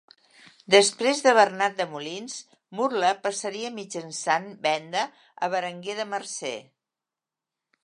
Després de Bernat de Molins, Murla passaria mitjançant venda a Berenguer de Mercer.